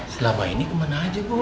selama ini kemana aja bu